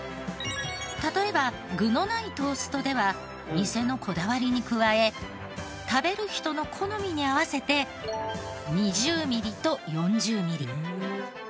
例えば具のないトーストでは店のこだわりに加え食べる人の好みに合わせて２０ミリと４０ミリ。